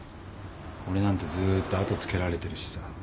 俺なんてずーっとあとつけられてるしさ。